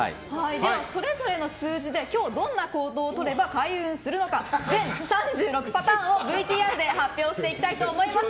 では、それぞれの数字で今日どんな行動をとれば開運するのか全３６パターンをＶＴＲで発表していきたいと思います。